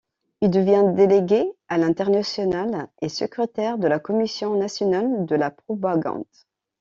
Il devient délégué à l'international et secrétaire de la commission nationale de la propagande.